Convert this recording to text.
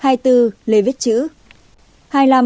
hai mươi bốn nguyễn đức trung